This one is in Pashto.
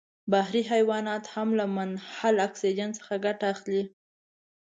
بحري حیوانات هم له منحل اکسیجن څخه ګټه اخلي.